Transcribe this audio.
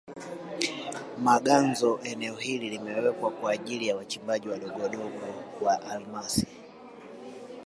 Maganzo eneo hili limewekwa kwa ajili ya wachimbaji wadogowadogo wa almasi